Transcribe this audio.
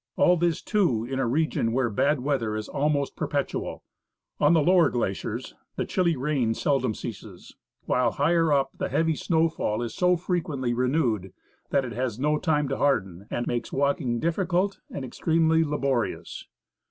All this, too, in a region where bad weather is almost perpetual. On the lower glaciers the chilly rain seldom ceases, while, higher up, the heavy snowfall is so frequently renewed that it has no time to harden, and makes walk ing, difficult and extremely laborious.